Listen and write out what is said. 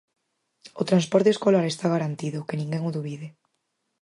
O transporte escolar está garantido, que ninguén o dubide.